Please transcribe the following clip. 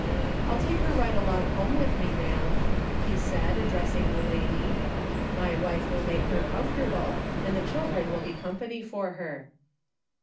"I'll take her right along home with me, ma'amj" he added, addressing the lady. " My wife will make her comfortable, and the chil dren will be company for her."